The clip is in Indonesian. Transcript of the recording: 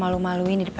ana makasih aduh